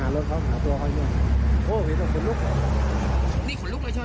เขาก็ลุกไปหารถเขาหาตัวเขาอยู่โอ้เห็นเขาขนลุกเลย